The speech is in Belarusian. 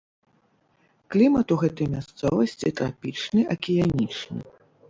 Клімат у гэтай мясцовасці трапічны акіянічны.